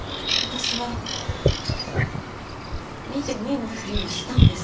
私は見て見ぬふりをしたんです